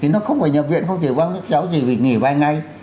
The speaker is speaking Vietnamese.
nó không phải nhập viện không thể văn cho các cháu gì vì nghỉ vai ngay